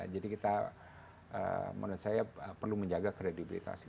jadi kita menurut saya perlu menjaga kredibilitas